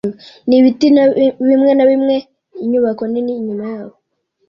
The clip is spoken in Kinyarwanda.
n’ibiti bimwe na bimwe inyubako nini inyuma yabo